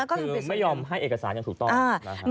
คือไม่ยอมให้เอกสารอย่างถูกต้องนะครับ